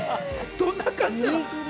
どんな感じ？